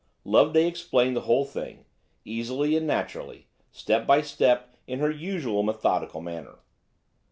Loveday explained the whole thing, easily, naturally, step by step in her usual methodical manner.